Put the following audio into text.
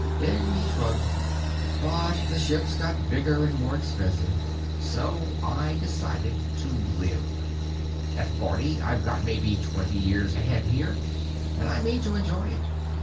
Then he shrugged. "But ships got bigger and more expensive. So I decided to live. At forty, I've got maybe twenty years ahead here, and I mean to enjoy it.